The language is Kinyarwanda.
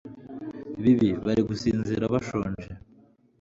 bibi, bari gusinzira bashonje